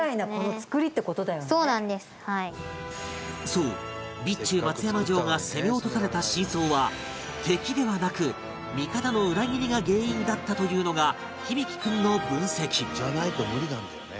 そう備中松山城が攻め落とされた真相は敵ではなく味方の裏切りが原因だったというのが響大君の分析